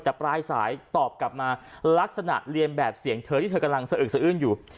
แต่ปลายสายตอบกลับมาลักษณะเรียนแบบเสียงเธอที่เธอกำลังสะอึกสะอื้นอยู่